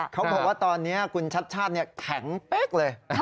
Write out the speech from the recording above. เขาบอกว่าตอนนี้คุณชัดชาติแข็งเป๊กเลย